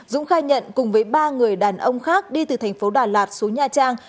dũng khai nhận cùng với ba người đàn ông khác đi từ thành phố đà lạt xuống nha trang